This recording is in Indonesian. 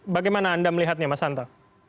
bagaimana anda melihatnya mas hanta